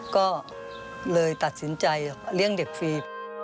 ก็เลยตัดสินใจเลี้ยงเด็กฟรี